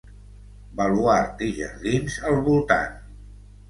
Baluard i jardins al voltant.